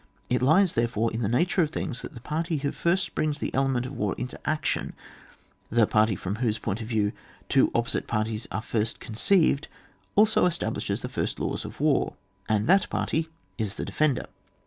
It lies, therefore, in the nature of things, that the party who first brings the element of* war into action, the party from whose point of view two opposite parties are first conceived, also establishes the first laws of war, and that party is the de fender.